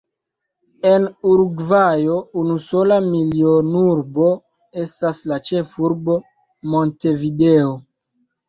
En Urugvajo unusola milionurbo estas la ĉefurbo Montevideo.